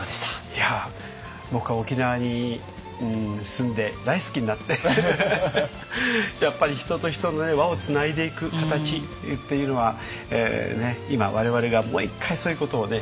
いや僕は沖縄に住んで大好きになってやっぱり人と人の輪をつないでいく形っていうのは今我々がもう一回そういうことをね